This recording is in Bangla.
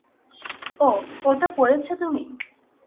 ওহ, ওটা পড়েছ তুমি?